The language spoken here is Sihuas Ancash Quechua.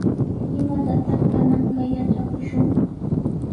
¿Imatataq kananqa yatrakushun?